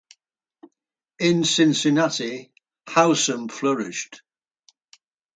In Cincinnati, Howsam flourished.